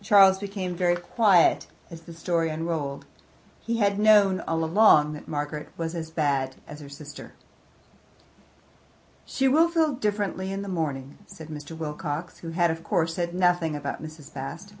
Charles became very quiet as the story unrolled; he had known all along that Margaret was as bad as her sister. "She will feel differently in the morning," said Mr. Wilcox, who had of course said nothing about Mrs. Bast.